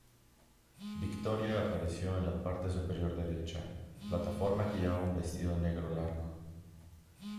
Victoria apareció en la parte superior derecha plataforma que llevaba un vestido negro largo.